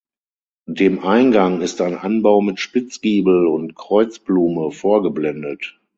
Dem Eingang ist ein Anbau mit Spitzgiebel und Kreuzblume vorgeblendet.